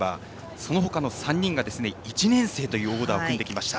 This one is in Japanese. その他の３人が１年生というオーダーを組んできました。